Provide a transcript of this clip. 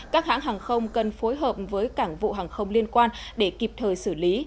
các hãng hàng không cần phối hợp với cảng vụ hàng không liên quan để kịp thời xử lý